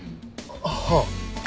はあ。